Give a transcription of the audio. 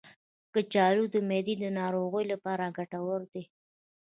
کچالو د معدې د ناروغیو لپاره ګټور دی.